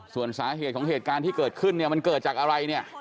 ส่วนสาเหตุของเหตุการณ์ที่เกิดขึ้นเนี่ยมันเกิดจากอะไรเนี่ย